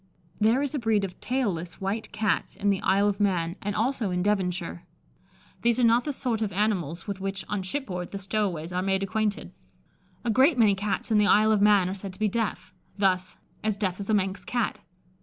There is a breed of tail less white Cats in the Isle of Man, and also in Devonshire. These are not the sort of animals with which, on shipboard, the "stow aways" are made acquainted. A great many Cats in the Isle of Man are said to be deaf. Thus, "As deaf as a Manx Cat."